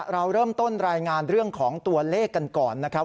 เราเริ่มต้นรายงานเรื่องของตัวเลขกันก่อนนะครับ